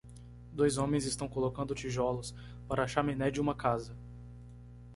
Dois homens estão colocando tijolos para a chaminé de uma casa.